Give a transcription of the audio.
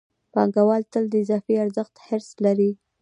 پانګوال تل د اضافي ارزښت حرص لري